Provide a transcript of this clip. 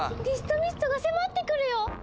ディストミストが迫ってくるよ！